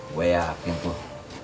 gue yakin tuh